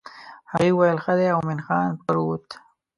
هغې وویل ښه دی او مومن خان پر ووت.